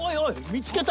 見つけた！